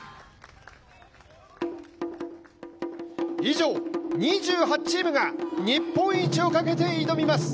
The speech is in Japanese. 以上、２８チームが日本一をかけて挑みます。